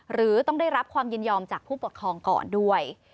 หรือต้องได้รับความยินยอมจากผู้ปกครองก่อนด้วย